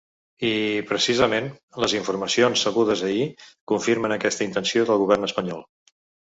I, precisament, les informacions sabudes ahir confirmen aquesta intenció del govern espanyol.